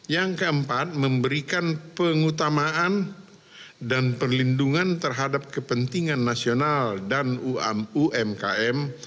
yang keempat memberikan pengutamaan dan perlindungan terhadap kepentingan nasional dan umkm